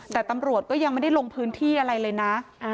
แต่ตำรวจก็ยังไม่ได้ลงพื้นที่อะไรเลยนะ